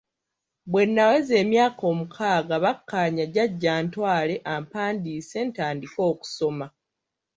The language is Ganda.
Bwe naweza emyaka omukaaga bakkaanya jjajja antwale ampandiise ntandike okusoma.